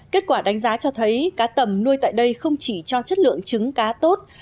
kết quả đánh giá cho thấy cá tầm nuôi tại đây không chỉ cho chất lượng trứng cá tốt